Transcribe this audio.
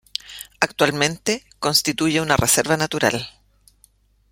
Actualmente, constituye una reserva natural.